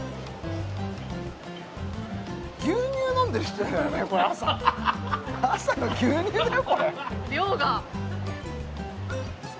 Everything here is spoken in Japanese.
牛乳飲んでる人だよねこれ朝朝の牛乳だよ？